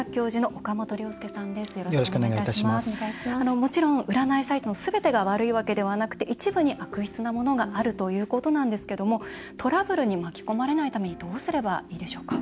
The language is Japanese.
もちろん、占いサイトのすべてが悪いわけではなくて一部に悪質なものがあるということなんですけどもトラブルに巻き込まれないためにどうすればいいでしょうか？